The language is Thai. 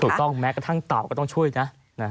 ถูกต้องแม้กระทั่งเต่าก็ต้องช่วยนะ